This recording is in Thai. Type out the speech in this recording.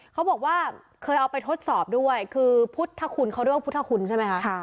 เขาบอกว่าเคยเอาไปทดสอบด้วยคือพุทธคุณเขาเรียกว่าพุทธคุณใช่ไหมคะ